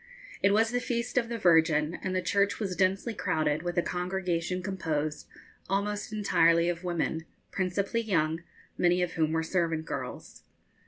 It was the Feast of the Virgin, and the church was densely crowded with a congregation composed almost entirely of women, principally young, many of whom were servant girls.